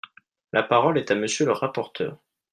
La parole est à Monsieur le rapporteur.